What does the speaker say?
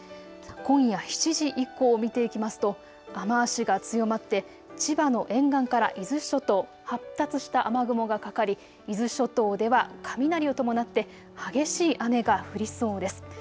今夜、７時以降見ていきますと雨足が強まって千葉の沿岸から伊豆諸島、発達した雨雲がかかり伊豆諸島では雷を伴って激しい雨が降りそうです。